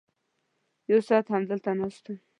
یو ساعت همدلته ناست وم.